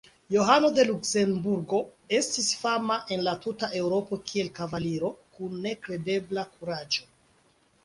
Johano de Luksemburgo estis fama en la tuta Eŭropo kiel kavaliro kun nekredebla kuraĝo.